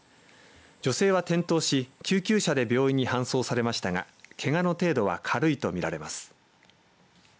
女性は転倒し救急車で病院に搬送されましたがけがの程度は軽いと見られます。